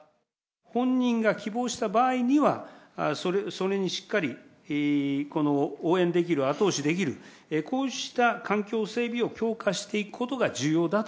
本人が希望した場合には、それにしっかり応援できる、後押しできる、こうした環境整備を強化していくことが重要だと。